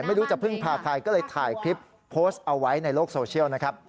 ไม่รู้จะพึ่งพาใครก็เลยถ่ายคลิปโพสต์เอาไว้ในโลกโซเชียลนะครับ